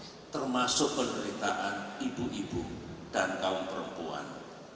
tangga yang belum mampu termasuk penderitaan ibu ibu dan kaum perempuan